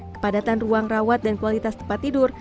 kepadatan ruang rawat dan kualitas tempat tidur